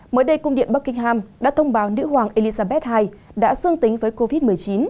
mới đây cung điện buckingham đã thông báo nữ hoàng elizabeth ii đã xương tính với covid một mươi chín